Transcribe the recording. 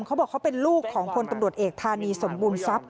เขาบอกเขาเป็นลูกของพลตำรวจเอกธานีสมบูรณทรัพย